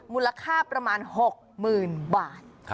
มูลค่าประมาณ๖๐๐๐บาท